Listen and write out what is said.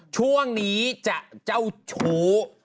ช่วงนี้จะเจ้าชู้